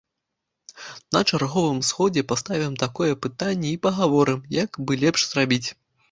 На чарговым сходзе паставім такое пытанне й пагаворым, як бы лепш зрабіць.